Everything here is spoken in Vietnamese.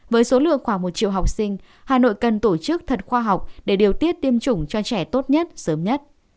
với số lượng khoảng một triệu học sinh hà nội cần tổ chức thật khoa học để điều tiết tiêm chủng cho trẻ tốt nhất sớm nhất